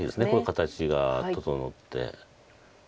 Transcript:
形が整って。